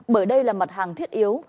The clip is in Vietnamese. bởi đây là mặt hàng thiết yếu